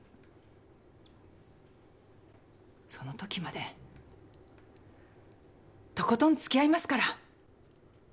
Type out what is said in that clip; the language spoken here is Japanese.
そのときまでとことんつきあいますから。